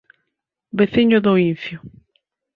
Veciño do Incio.